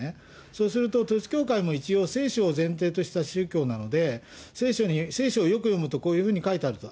そうすると、統一教会も一応、聖書を前提とした宗教なので、聖書をよく読むとこういうふうに書いてあると。